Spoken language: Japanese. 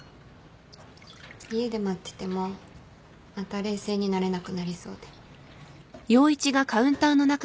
家で待っててもまた冷静になれなくなりそうで。